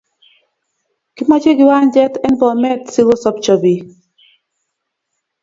Kimache kiwanjet en Bomet si ko sabcho pik